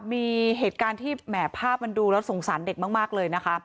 มีเหตุการณ์ที่แหมภาพมันดูแล้วสงสารเด็กมากเลยนะคะ